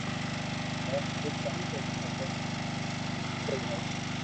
مون ھارو ڪاو ڪروھ کپي تو ھون سھي ھي